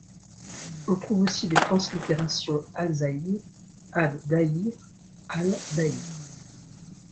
On trouve aussi les translittérations al-Zâhir, adh-Dhâhir, al-Dhâhir.